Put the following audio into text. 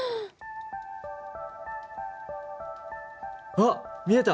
あっ見えた！